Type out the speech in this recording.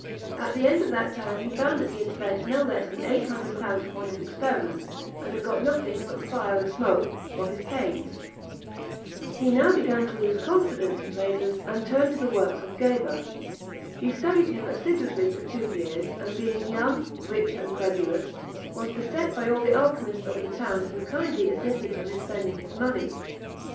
At the end of that time, he found that he had spent no less than eight hundred crowns upon his experiment, and had got nothing but fire and smoke for his pains. He now began to lose confidence in Rhazes, and turned to the works of Geber. He studied him assiduously for two years; and being young, rich, and credulous, was beset by all the alchymists of the town, who kindly assisted him in spending his money.